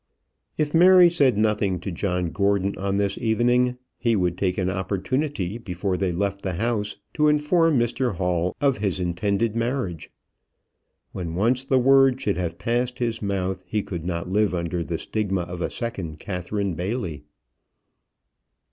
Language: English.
If Mary said nothing to John Gordon on this evening, he would take an opportunity before they left the house to inform Mr Hall of his intended marriage. When once the word should have passed his mouth, he could not live under the stigma of a second Catherine Bailey.